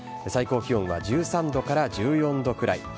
最高気温は１３度から１４度くらい。